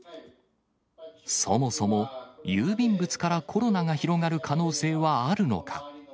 そもそも、郵便物からコロナが広がる可能性はあるのか。